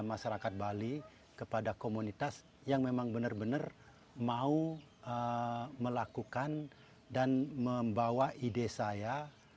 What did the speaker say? masyarakat bali kepada komunitas yang memang benar benar mau melakukan dan membawa ide saya